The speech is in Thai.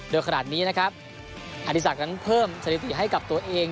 โดยขนาดนี้นะครับอดีศักดิ์นั้นเพิ่มสถิติให้กับตัวเอง